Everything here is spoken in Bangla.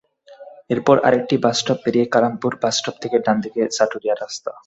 এরপর আরেকটি বাসস্টপ পেরিয়ে কালামপুর বাসস্টপ থেকে ডান দিকে সাটুরিয়ার রাস্তা।